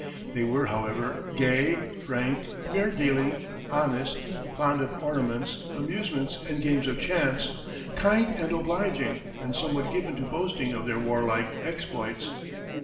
They were, however, gay, frank, fair dealing, honest, fond of ornaments, amusements, and games of chance, kind and obliging, and somewhat given to boasting of their warlike exploits.